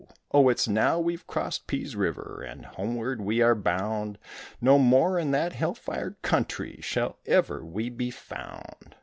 Oh, it's now we've crossed Pease River and homeward we are bound, No more in that hell fired country shall ever we be found.